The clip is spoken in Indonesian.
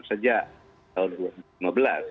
sejak tahun dua ribu lima belas